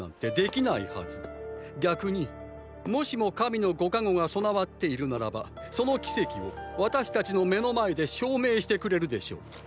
逆にもしも神のご加護が備わっているならばその奇跡を私たちの目の前で証明してくれるでしょう！っ！